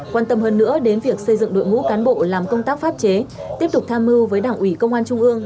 quan tâm hơn nữa đến việc xây dựng đội ngũ cán bộ làm công tác pháp chế tiếp tục tham mưu với đảng ủy công an trung ương